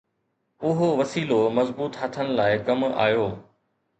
اهو وسيلو مضبوط هٿن لاءِ ڪم آيو.